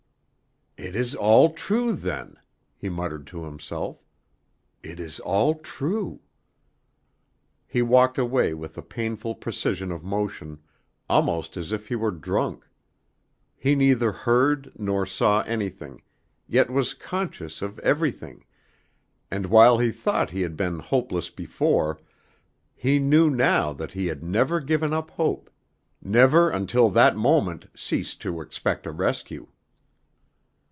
"It is all true, then," he muttered to himself; "it is all true." He walked away with a painful precision of motion, almost as if he were drunk; he neither heard nor saw anything, yet was conscious of everything, and while he thought he had been hopeless before, he knew now that he had never given up hope, never until that moment ceased to expect a rescue.